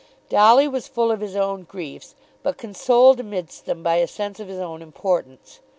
Dolly was full of his own griefs; but consoled amidst them by a sense of his own importance.